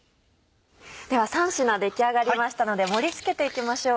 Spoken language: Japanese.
では３品出来上がりましたので盛り付けていきましょう。